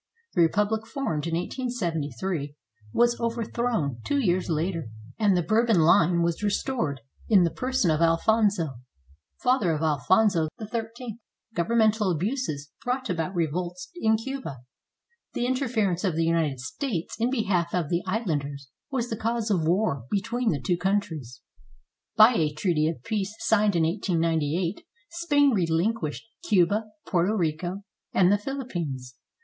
The republic formed in 1873 was overthrown two years later, and the Bourbon line was restored in the person of Alfonso, father of Alfonso XIIL Governmental abuses brought about revolts in Cuba. The interference of the United States in behalf of the islanders was the cause of war between the two countries. By a treaty of peace signed in 1898, Spain relinquished Cuba, Porto Rico, and the Philippines.